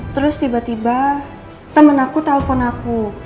terus tiba tiba temen aku telepon aku